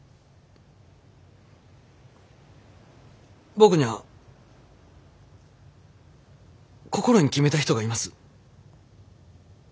僕には心に決めた人がいます。